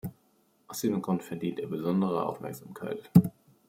Aus diesem Grund verdient er besondere Aufmerksamkeit.